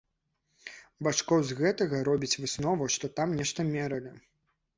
Бачкоў з гэтага робіць выснову, што там нешта мералі.